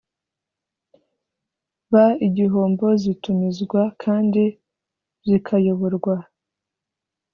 B igihombo zitumizwa kandi zikayoborwa